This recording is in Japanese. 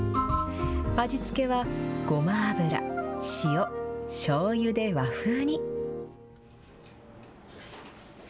味付けは、ごま油、塩、しょうゆで和風に。